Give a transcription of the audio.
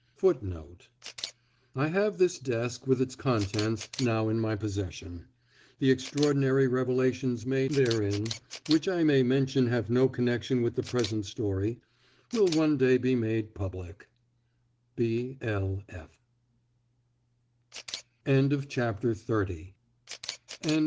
FOOTNOTES [Footnote 1: I have this desk, with its contents, now in my possession. The extraordinary revelations made therein (which I may mention have no connection with the present story) will one day be made public B. L.